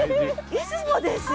出雲ですよ。